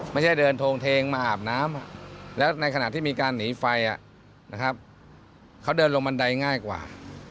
ไม่ใช่เดินโทงเทงมาอาบน้ำแล้วในขณะที่มีการหนีไฟนะครับเขาเดินลงบันไดง่ายกว่า